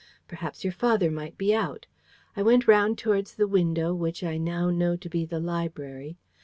Perhaps your father might be out. I went round towards the window, which I now know to be the library.